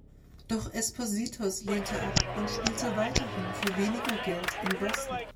Doch Esposito lehnte ab und spielte weiterhin für weniger Geld in Boston.